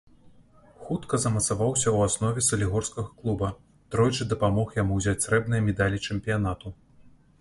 Хутка замацаваўся ў аснове салігорскага клуба, тройчы дапамог яму ўзяць срэбныя медалі чэмпіянату.